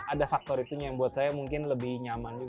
ada faktor itunya yang buat saya mungkin lebih nyaman juga